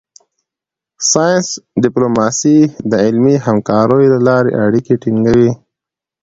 ساینس ډیپلوماسي د علمي همکاریو له لارې اړیکې ټینګوي